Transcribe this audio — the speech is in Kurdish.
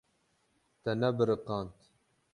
Te nebiriqand.